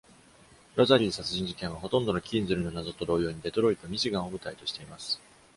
Rosary 殺人事件は、ほとんどの Kienzle の謎と同様に、Detroit, Michigan を舞台としています。